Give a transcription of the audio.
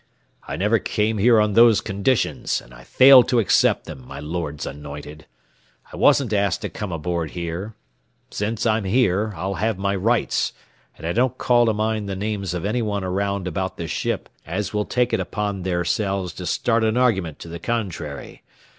"I never came here on those conditions, and I fail to accept them, my Lord's anointed. I wasn't asked to come aboard here. Since I'm here, I'll have my rights, and I don't call to mind the names of any one around about this ship as will take it upon theirselves to start an argument to the contrary.